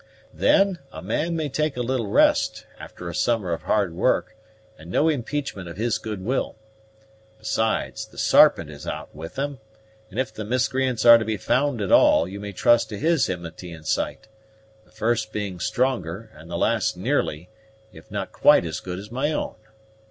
Then a man may take a little rest after a summer of hard work, and no impeachment of his goodwill. Besides, the Sarpent is out with them; and if the miscreants are to be found at all, you may trust to his inmity and sight: the first being stronger, and the last nearly, if not quite as good as my own.